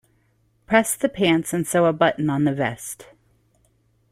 Press the pants and sew a button on the vest.